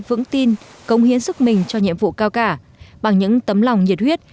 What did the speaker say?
vững tin công hiến sức mình cho nhiệm vụ cao cả bằng những tấm lòng nhiệt huyết